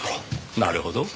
なるほど。